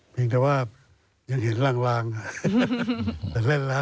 เพียงแต่ว่ายังเห็นลางแต่เล่นแล้ว